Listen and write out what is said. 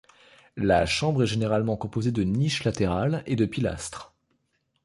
La chambre est généralement composée de niches latérales et de pilastres.